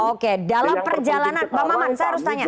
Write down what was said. oke dalam perjalanan bang maman saya harus tanya